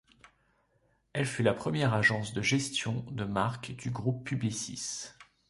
Elle fut la première agence de gestion de marque du Groupe Publicis.